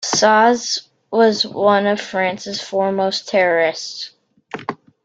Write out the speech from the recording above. Caze was one of France's foremost terrorists.